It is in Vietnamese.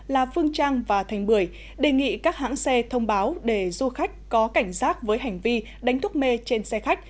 là phương trang và thành bưởi đề nghị các hãng xe thông báo để du khách có cảnh giác với hành vi đánh thuốc mê trên xe khách